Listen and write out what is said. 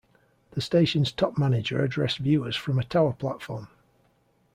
The station's top manager addressed viewers from a tower platform.